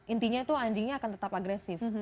intinya itu anjingnya akan tetap agresif